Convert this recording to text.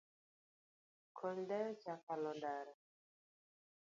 Kony dayo cha kalo ndara